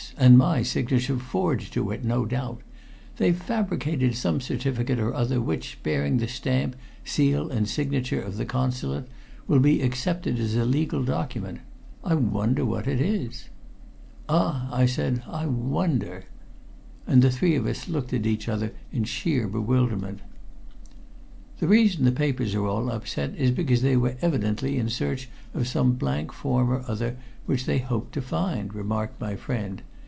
And my signature forged to it, no doubt. They've fabricated some certificate or other which, bearing the stamp, seal and signature of the Consulate, will be accepted as a legal document. I wonder what it is?" "Ah!" I said. "I wonder!" And the three of us looked at each other in sheer bewilderment. "The reason the papers are all upset is because they were evidently in search of some blank form or other, which they hoped to find," remarked my friend.